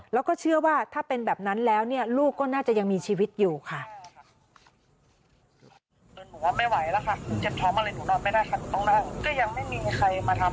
แล้วก็เชื่อว่าถ้าเป็นแบบนั้นแล้วเนี่ยลูกก็น่าจะยังมีชีวิตอยู่ค่ะ